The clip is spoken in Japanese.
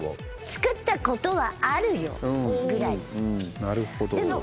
作ったことはあるよぐらいです。